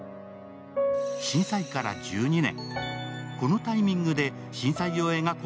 震災から１２年。